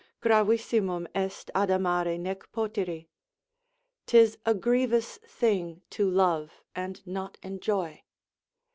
Gravissimum est adamare nec potiri, 'tis a grievous thing to love and not enjoy.